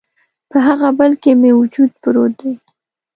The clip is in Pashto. په هغه بل کي مې وجود پروت دی